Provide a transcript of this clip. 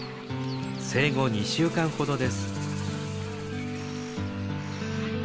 生後２週間ほどです。